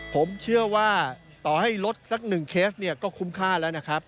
ผมเชื่อว่าต่อให้ลดสัก๑เคสเนี่ยก็คุ้มค่าแล้วนะครับ